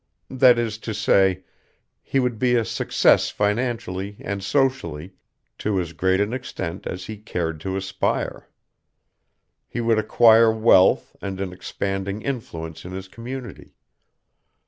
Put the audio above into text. That is to say, he would be a success financially and socially to as great an extent as he cared to aspire. He would acquire wealth and an expanding influence in his community.